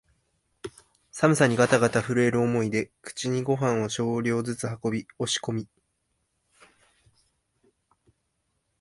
寒さにがたがた震える思いで口にごはんを少量ずつ運び、押し込み、